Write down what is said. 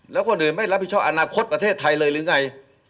แล้วคนอื่นไม่รับผิดชอบอนาคตประเทศไทยเลยหรือไง